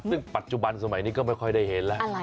ซึ่งปัจจุบันสมัยนี้ก็ไม่ค่อยได้เห็นแล้ว